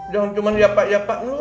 jangan cuma yapak yapak lo